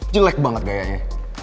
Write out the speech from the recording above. jelek banget gayanya